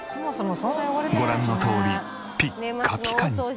ご覧のとおりピッカピカに。